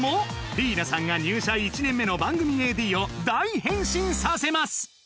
りいなさんが入社１年目の番組ＡＤを大変身させます！